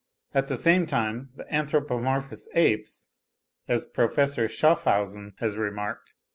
At the same time the anthropomorphous apes, as Professor Schaaffhausen has remarked (18.